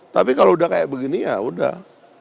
tapi kalau udah kayak begini ya udah